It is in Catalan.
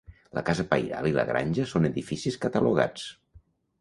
La casa pairal i la granja són edificis catalogats.